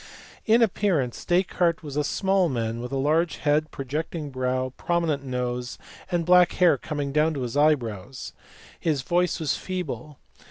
In appearance, Descartes was a small man with large head, projecting brow, prominent nose, and black hair coming down to his eyebrows. His voice was feeble.